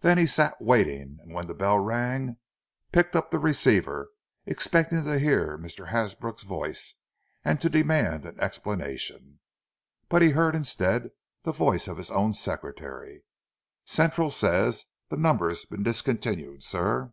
Then he sat waiting; and when the bell rang, picked up the receiver, expecting to hear Mr. Hasbrook's voice, and to demand an explanation. But he heard, instead, the voice of his own secretary: "Central says the number's been discontinued, sir."